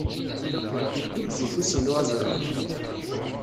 Yeddubbez ufus-inu azelmaḍ.